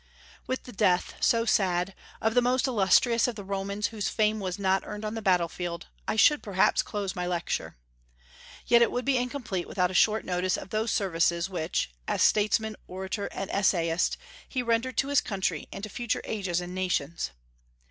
With the death so sad of the most illustrious of the Romans whose fame was not earned on the battlefield, I should perhaps close my lecture. Yet it would be incomplete without a short notice of those services which as statesman, orator, and essayist he rendered to his country and to future ages and nations.